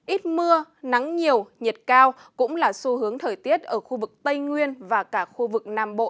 ít mưa nắng nhiều nhiệt cao cũng là xu hướng thời tiết ở khu vực tây nguyên và cả khu vực nam bộ